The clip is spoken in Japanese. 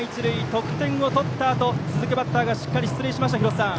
得点を取ったあと続くバッターがしっかり出塁しました。